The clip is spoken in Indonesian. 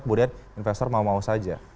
kemudian investor mau mau saja